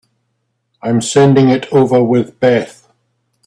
I'm sending it over with Beth.